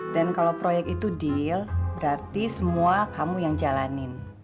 dan kalau proyek itu deal berarti semua kamu yang jalanin